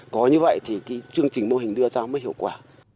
có như vậy thì cái chương trình mô hình đưa ra mới hiệu quả